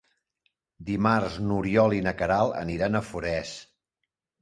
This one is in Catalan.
Dimarts n'Oriol i na Queralt aniran a Forès.